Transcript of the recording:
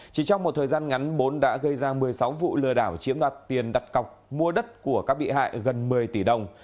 chỉ trong một thời gian ngắn bốn đã gây ra một mươi sáu vụ lừa đảo chiếm đoạt tiền đặt cọc mua đất của các bị hại gần một mươi tỷ đồng